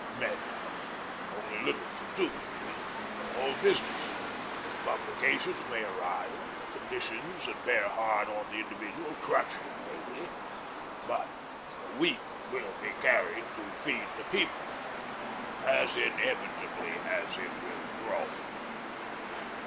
Men have only little to do in the whole business. Complications may arise, conditions that bear hard on the individual crush him maybe BUT THE WHEAT WILL BE CARRIED TO FEED THE PEOPLE as inevitably as it will grow.